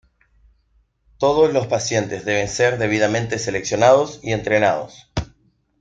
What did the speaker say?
Todos los pacientes deben ser debidamente seleccionados y entrenados.